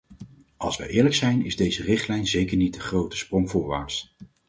Als wij eerlijk zijn is deze richtlijn zeker niet de grote sprong voorwaarts.